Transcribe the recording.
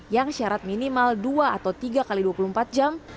yang syarat minimal dua atau tiga x dua puluh empat jam